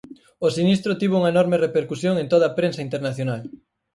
O sinistro tivo unha enorme repercusión en toda a prensa internacional.